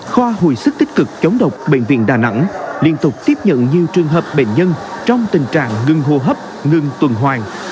khoa hồi sức tích cực chống độc bệnh viện đà nẵng liên tục tiếp nhận nhiều trường hợp bệnh nhân trong tình trạng ngừng hô hấp ngừng tuần hoàn